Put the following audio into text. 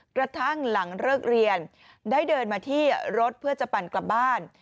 กระทั่งหลังเลิกเรียนได้เดินมาที่รถเพื่อจะปั่นกลับบ้าน